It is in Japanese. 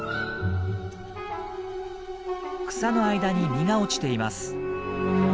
草の間に実が落ちています。